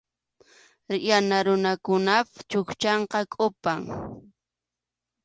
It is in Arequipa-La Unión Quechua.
Yana runakunap chukchanqa kʼupam.